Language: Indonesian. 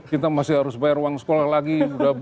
kita masih harus bayar uang sekolah lagi